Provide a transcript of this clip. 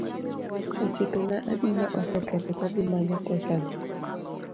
Osiepena adi ma osetho ka gimanyo pesa ni?